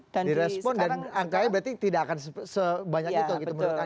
direspon dan angkanya berarti tidak akan sebanyak itu gitu menurut anda